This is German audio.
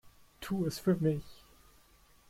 Tu es für mich!